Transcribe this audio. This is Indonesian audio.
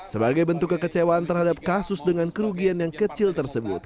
sebagai bentuk kekecewaan terhadap kasus dengan kerugian yang kecil tersebut